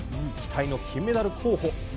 期待の金メダル候補。